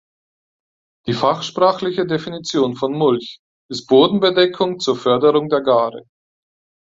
Die fachsprachliche Definition von Mulch ist „Bodenbedeckung zur Förderung der Gare“.